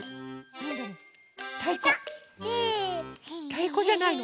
たいこじゃないの？